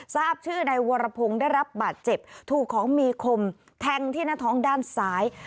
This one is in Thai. ทราบชื่อในวรพงศ์ได้รับบาดเจ็บถูกของมีคมแทงที่หน้าท้องด้านซ้าย